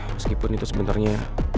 meskipun itu sebenernya